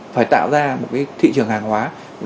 phải tạo ra một thị trường hàng hóa